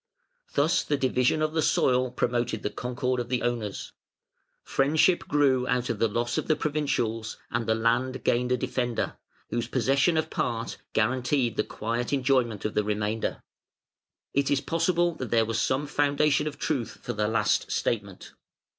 Thus the division of the soil promoted the concord of the owners; friendship grew out of the loss of the provincials, and the land gained a defender, whose possession of part guaranteed the quiet enjoyment of the remainder". It is possible that there was some foundation of truth for the last statement.